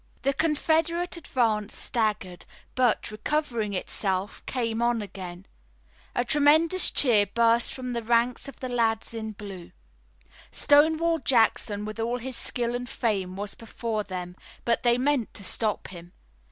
The Confederate advance staggered, but, recovering itself, came on again. A tremendous cheer burst from the ranks of the lads in blue. Stonewall Jackson with all his skill and fame was before them, but they meant to stop him.